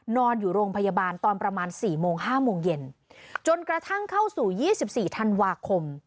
นอนอยู่โรงพยาบาลตอนประมาณ๔โมง๕โมงเย็นจนกระทั่งเข้าสู่๒๔ธันวาคม